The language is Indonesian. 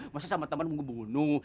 masa sama teman mau membunuh